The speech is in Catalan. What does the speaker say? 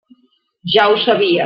Ja ho sabia.